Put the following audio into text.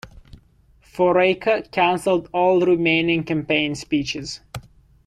Foraker cancelled all remaining campaign speeches.